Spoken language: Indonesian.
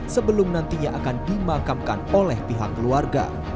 sebelum nantinya akan dimakamkan oleh pihak keluarga